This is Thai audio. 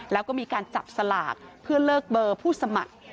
แล้วก็มีการจับสลากเพื่อเลิกเบอร์ผู้สมัคร